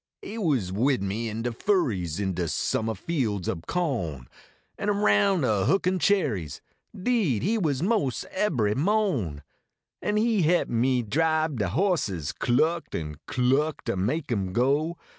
lie was wid me in de furries In de suminah fields ob co n, An aroun" a hookiif cherries Deed he was, mos ebbery nio n, An he he p me dribe de horses, Cluckt an cluckt ter make em go.